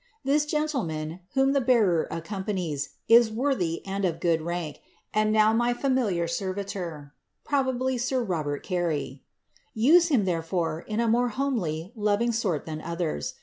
This gentleman, whom the bearer accompanies, is worthy, and of good rank, and now my familiar servitor, (probably tir Robert Carey ;) use him, therefore, in a more homely, loving sort than others.